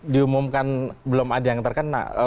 diumumkan belum ada yang terkena